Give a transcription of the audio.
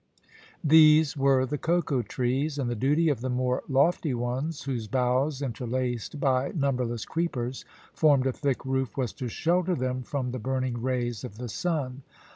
These were the cocoa trees, and the duty of the more lofty ones, whose boughs, interlaced by numberless creepers, formed a thick roof, was to shelter them from the burning rays of the sun.